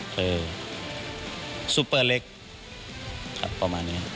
คือซุปเปอร์เล็กประมาณนี้